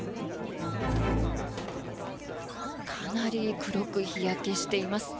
かなり黒く日焼けしています。